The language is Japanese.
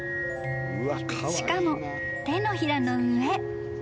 ［しかも手のひらの上］